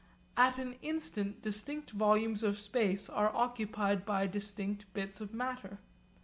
At an instant distinct volumes of space are occupied by distinct bits of matter.